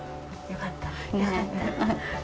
よかった。